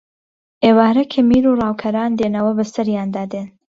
ئێوارە کە میر و ڕاوکەران دێنەوە بەسەریاندا دێن